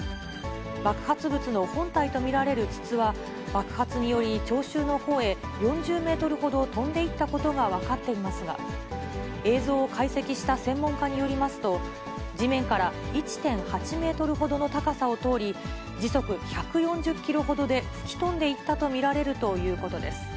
爆発物の本体と見られる筒は、爆発により聴衆のほうへ４０メートルほど飛んでいったことが分かっていますが、映像を解析した専門家によりますと、地面から１．８メートルほどの高さを通り、時速１４０キロほどで吹き飛んでいったと見られるということです。